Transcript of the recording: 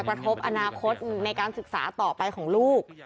กระทบอนาคตในการศึกษาต่อไปของลูก